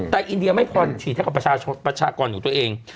แต่อินเดียไม่พอฉีดให้กับประชาชนประชากรของตัวเอง